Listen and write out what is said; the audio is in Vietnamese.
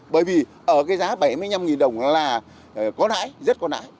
bởi vì ở cái giá bảy mươi năm đồng là có nãi rất có nãi